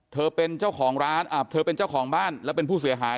เธอเป็นเจ้าของร้านเธอเป็นเจ้าของบ้านแล้วเป็นผู้เสียหาย